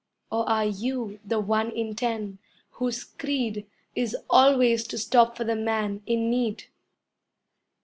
Or are you the one in ten whose creed Is always to stop for the man in need?